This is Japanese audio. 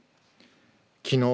きのう